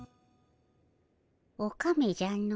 オカメじゃの。